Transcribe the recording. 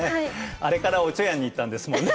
あれから「おちょやん」にいったんですもんね。